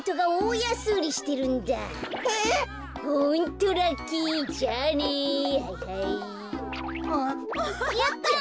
やったぜ。